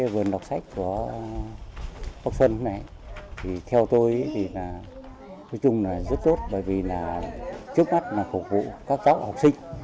vườn đọc sách của chúng là rất tốt bởi vì trước mắt là phục vụ các cháu học sinh